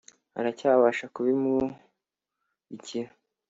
Aracyabasha kubimurikira.